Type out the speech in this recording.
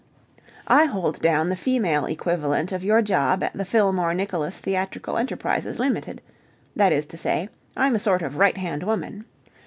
I hold down the female equivalent of your job at the Fillmore Nicholas Theatrical Enterprises Ltd. that is to say, I'm a sort of right hand woman.